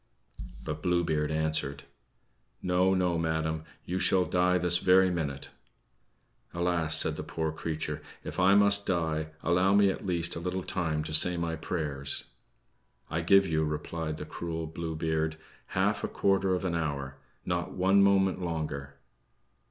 But Blue Beard answered: "No, no, madam; you shall die this very minute." "Alas," said the poor creature, "if I must die, allow me, at least, a little time to say my prayers!" "I give you," replied the cruel Blue Beard, "half a quarter of an hour not one moment longer."